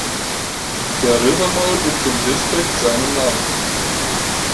Der River Mole gibt dem Distrikt seinen Namen.